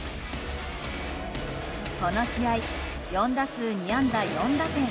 この試合、４打数２安打４打点。